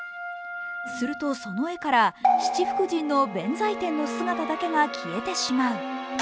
するとその絵から、七福神の弁財天の姿だけが消えてしまう。